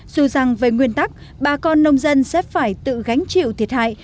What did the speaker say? dù rằng về nguyên tắc bà con nông dân sẽ phải tự gánh chịu thiệt hại